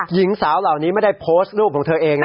หญิงสาวเหล่านี้ไม่ได้โพสต์รูปของเธอเองนะ